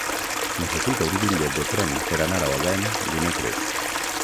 Necessito un bitllet de tren per anar a Odèn dimecres.